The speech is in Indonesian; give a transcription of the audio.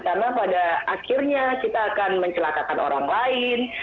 karena pada akhirnya kita akan mencelakakan orang lain